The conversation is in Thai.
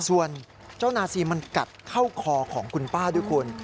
ส่วนเจ้านาซีมันกัดเข้าคอของคุณป้าด้วยคุณ